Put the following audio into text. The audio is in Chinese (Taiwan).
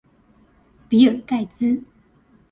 比爾蓋茲